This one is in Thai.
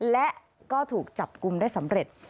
และก็ถูกจับกลุ่มได้สำเร็จ